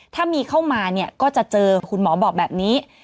ถ้ามีเข้ามาเนี่ยก็จะเจอคุณหมอบอกแบบนี้